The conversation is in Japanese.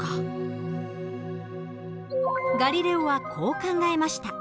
ガリレオはこう考えました。